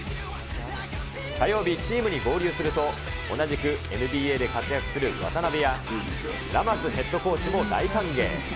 火曜日、チームに合流すると同じくＮＢＡで活躍する渡邊やラマスヘッドコーチも大歓迎。